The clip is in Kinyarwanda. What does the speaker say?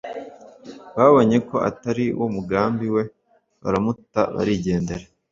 babonye ko atari wo mugambi we baramuta barigendera.